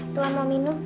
tuhan mau minum